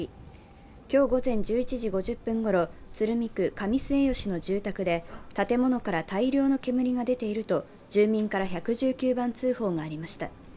今日午前１１時５０分ごろ、鶴見区上末吉の住宅で建物から大量の煙が出ていると住民から１１９番通報がありました。